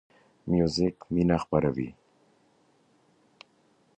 موزیک مینه خپروي.